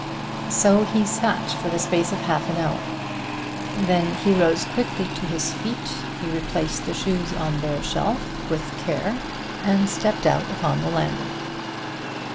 So he sat for the space of half an hour. Then he rose quickly to his feet. He replaced the shoes on their shelf with care, and stepped out upon the landing.